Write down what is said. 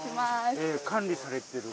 管理されてる。